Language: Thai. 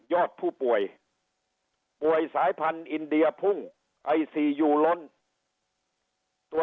อดผู้ป่วยป่วยสายพันธุ์อินเดียพุ่งไอซียูล้นตัว